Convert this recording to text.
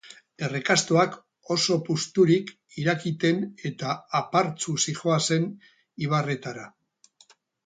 Errekastoak, oso puzturik, irakiten eta apartsu zihoazen ibarretara.